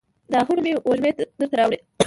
د آهونو مې وږمې درته راوړي